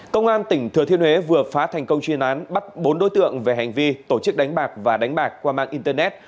công an tỉnh thừa thiên huế vừa phá thành công chuyên án bắt bốn đối tượng về hành vi tổ chức đánh bạc và đánh bạc qua mạng internet